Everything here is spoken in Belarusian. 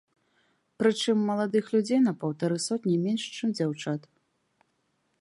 Прычым маладых людзей на паўтары сотні менш, чым дзяўчат.